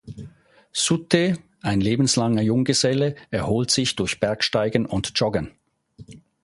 Souter, ein lebenslanger Junggeselle, erholt sich durch Bergsteigen und Joggen.